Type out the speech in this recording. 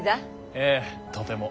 ええとても。